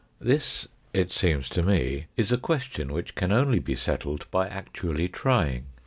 This, it seems to me, is a question which can only be settled by actually trying.